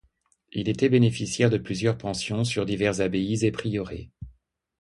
Il était bénéficiaire de plusieurs pensions sur divers abbayes et prieurés.